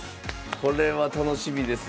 これは楽しみですねえ。